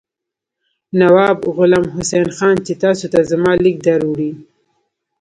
نواب غلام حسین خان چې تاسو ته زما لیک دروړي.